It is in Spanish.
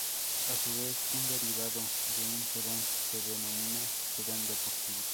A su vez, un derivado de un sedán se denomina sedán deportivo.